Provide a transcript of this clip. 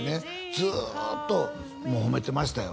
ずーっと褒めてましたよ